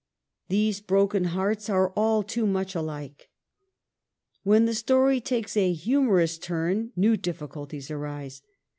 These broken hearts are all too much alike. When the story takes a humorous turn, new difficulties arise.